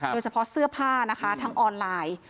โดยเฉพาะเสื้อผ้านะคะทางออนไลน์